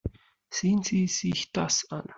Sehen Sie sich das an.